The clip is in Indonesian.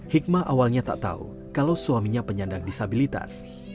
hikmah awalnya tak tahu kalau suaminya penyandang disabilitas